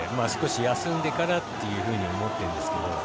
少し休んでからというふうに思ってるんですけど。